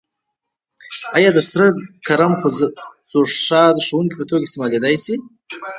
آیا د سره کرم ځوښا د ښودونکي په توګه استعمالیدای شي؟